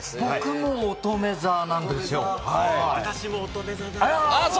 僕もおとめ座なんですよ。